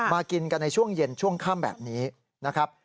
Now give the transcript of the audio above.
กินกันในช่วงเย็นช่วงค่ำแบบนี้นะครับ